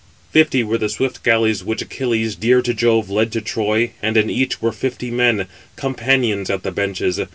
Fifty were the swift galleys which Achilles, dear to Jove, led to Troy; and in each were fifty men, companions at the benches.